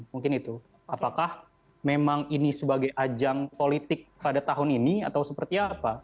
mungkin itu apakah memang ini sebagai ajang politik pada tahun ini atau seperti apa